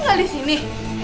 lagi ga di sini